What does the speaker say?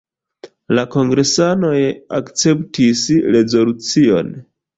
La kongresanoj akceptis rezolucion.